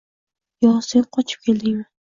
Yo sen qochib keldingmi?